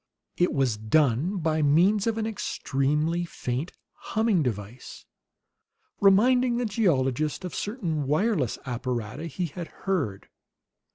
It was done by means of an extremely faint humming device, reminding the geologist of certain wireless apparata he had heard.